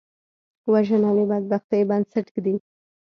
وژنه د بدبختۍ بنسټ ږدي